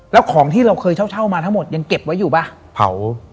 แล้วของที่เราเคยเช่าเช่ามาทั้งหมดยังเก็บไว้อยู่ป่ะเผา